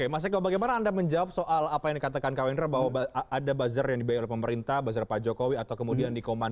mas eko bagaimana anda menjawab soal apa yang dikatakan kak wendra bahwa ada buzzer yang dibayar oleh pemerintah buzzer pak jokowi atau kemudian di komando